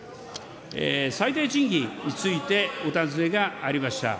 最低賃金についてお尋ねがありました。